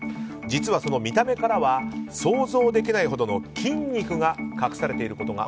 実は、その見た目からは想像できないほどの筋肉が隠されていることが。